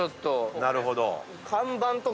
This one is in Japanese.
なるほど。